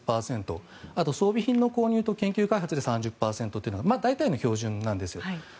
あと装備品の購入と研究開発で３０％というのが大体の標準なんです。